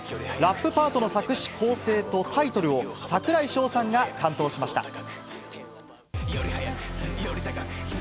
ラップパートの作詞・構成とタイトルを、櫻井翔さんが担当しました。